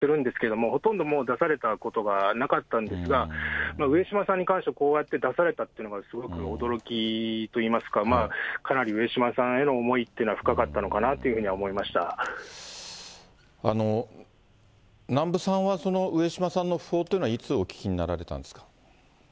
今までもたけしさんゆかりの方が亡くなられたときに、われわれもコメントをお願いするんですけれども、ほとんどもう、出されたことがなかったんですが、上島さんに関しては、こうやって出されたというのが、すごく驚きといいますか、かなり上島さんへの思いっていうのは深かったのかなというふうに南部さんは、上島さんの訃報というのは、いつお聞きになられたんですか。